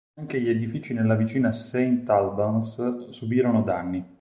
Anche gli edifici nella vicina Saint Albans subirono danni.